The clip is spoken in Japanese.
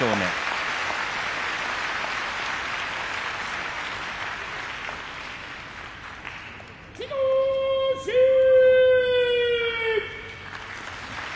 拍手